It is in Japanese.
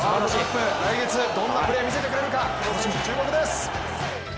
来月、どんなプレーを見せてくれるか、注目です。